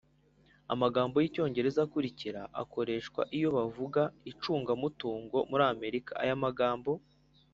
Amagambo y Icyongereza akurikira akoreshwa iyo bavuga ku icungamutungo muri Amerika Aya magambo